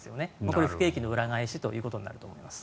これは不景気の裏返しということになると思います。